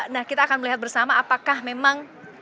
nah kita akan melihat bersama apakah memang